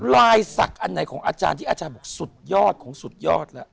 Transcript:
ลายศักดิ์อันไหนของอาจารย์ที่อาจารย์บอกสุดยอดของสุดยอดแล้ว